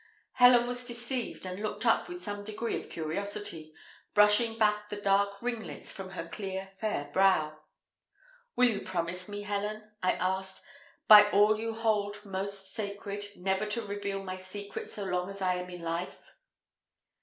Helen was deceived, and looked up with some degree of curiosity, brushing back the dark ringlets from her clear fair brow. "Will you promise me, Helen," I asked, "by all you hold most sacred, never to reveal my secret so long as I am in life?"